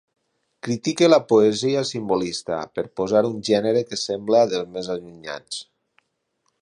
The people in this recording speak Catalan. Critique la poesia simbolista, per posar un gènere que sembla dels més allunyats.